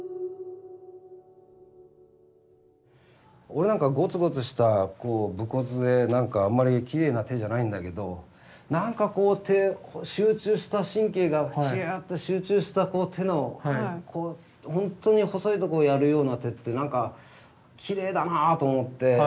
俺なんかごつごつした武骨でなんかあんまりきれいな手じゃないんだけどなんかこう集中した神経がちゅって集中した手のほんとに細いとこをやるような手ってなんかきれいだなぁと思って。